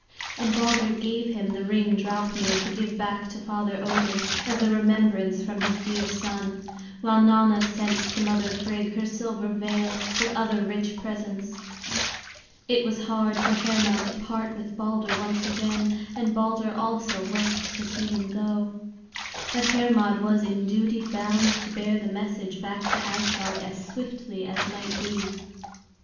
And Balder gave him the ring Draupnir to give back to Father Odin, as a remembrance from his dear son; while Nanna sent to mother Frigg her silver veil with other rich presents. It was hard for Hermod to part with Balder once again, and Balder also wept to see him go. But Hermod was in duty bound to bear the message back to Asgard as swiftly as might be.